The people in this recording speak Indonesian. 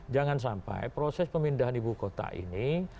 jangan sampai proses pemindahan ibu kota ini